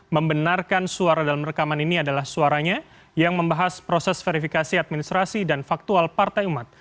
membenarkan suara dalam rekaman ini adalah suaranya yang membahas proses verifikasi administrasi dan faktual partai umat